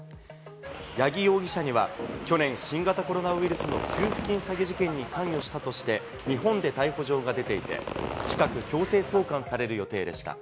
八木容疑者には去年、新型コロナウイルスの給付金詐欺事件に関与したとして日本で逮捕状が出ていて、近く強制送還される予定でした。